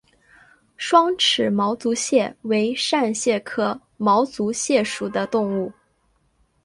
双齿毛足蟹为扇蟹科毛足蟹属的动物。